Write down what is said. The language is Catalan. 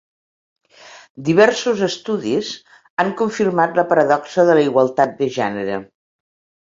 Diversos estudis han confirmat la paradoxa de la igualtat de gènere.